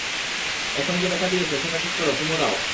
এখন যে ব্যথা দিয়েছ, সেটা ঠিক করো, চুমো দেও।